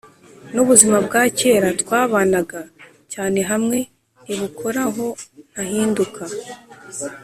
n'ubuzima bwa kera twabanaga cyane hamwe ntibukoraho, ntahinduka.